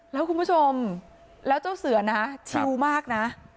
แล้วคุณผู้ชมแล้วเจ้าเสือนะชิวมากนะ